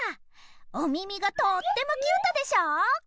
おみみがとってもキュートでしょ？